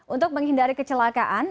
untuk menghindari kecelakaan